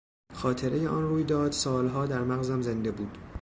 خاطرهی آن رویداد سالها در مغزم زنده بود.